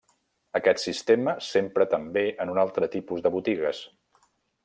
Aquest sistema s'empra també en un altre tipus de botigues.